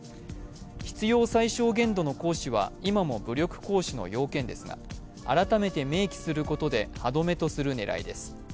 必要最小限度の行使は今も武力行使の要件ですが改めて明記することで歯止めとする狙いです。